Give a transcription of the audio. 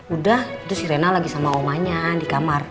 udah itu si rena lagi sama omanya di kamar